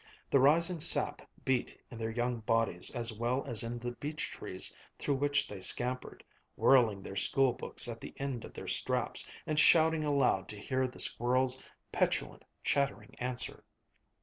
The rising sap beat in their young bodies as well as in the beech trees through which they scampered, whirling their school books at the end of their straps, and shouting aloud to hear the squirrel's petulant, chattering answer.